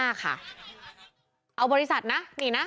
เอาบริษัทนะนี่นะ